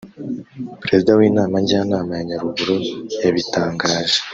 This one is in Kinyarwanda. Perezida w’inama Njyanama ya Nyaruguru yabitangaje